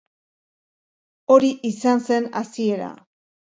Hori izan zen hasiera.